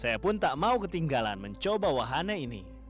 saya pun tak mau ketinggalan mencoba wahana ini